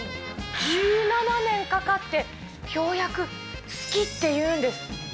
１７年かかって、ようやく好きっていうんです。